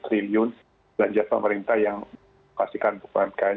tiga ratus empat ratus triliun belanja pemerintah yang dikasihkan untuk umkm